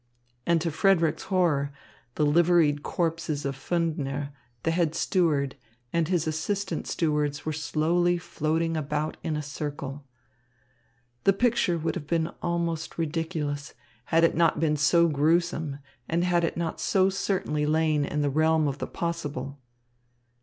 And to Frederick's horror, the liveried corpses of Pfundner, the head steward, and his assistant stewards were slowly floating about in a circle. The picture would have been almost ridiculous, had it not been so gruesome and had it not so certainly lain in the realm of the possible.